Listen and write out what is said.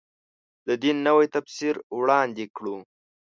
د دین نوی تفسیر وړاندې کړو.